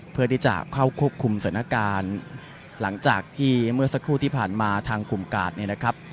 เพื่อที่จะเข้าควบคุมสถานการณ์หลังจากที่เมื่อสักครู่ที่ผ่านมาทางกลุ่มกาดเนี่ยนะครับ